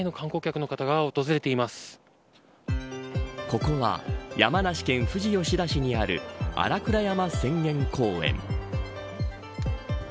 ここは山梨県富士吉田市にある新倉山浅間公園